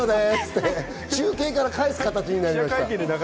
中継から返す形になりました。